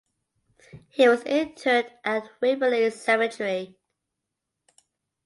He was interred at Waverley Cemetery.